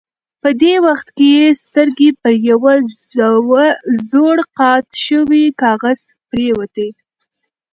په دې وخت کې یې سترګې پر یوه زوړ قات شوي کاغذ پرېوتې.